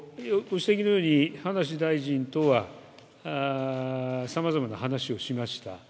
ご指摘のように葉梨大臣とはさまざまな話をしました。